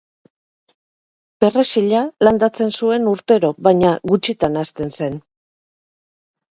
Perrexila landatzen zuen urtero baina gutxitan hazten zen.